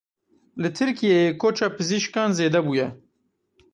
Li Tirkiyeyê koça pizîşkan zêde bûye.